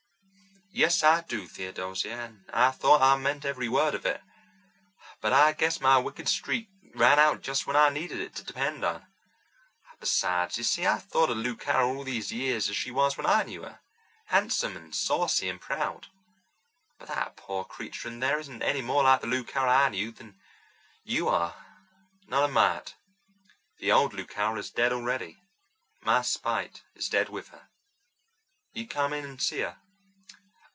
"Yes, I do, Theodosia, and I thought I meant every word of it. But I guess my wicked streak ran out just when I needed it to depend on. Besides, you see, I've thought of Lou Carroll all these years as she was when I knew her—handsome and saucy and proud. But that poor creature in there isn't any more like the Lou Carroll I knew than you are—not a mite. The old Lou Carroll is dead already, and my spite is dead with her. Will you come in and see her?"